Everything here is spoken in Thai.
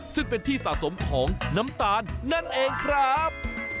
ซึ่งเป็นที่สะสมของน้ำตาลนั่นเองครับ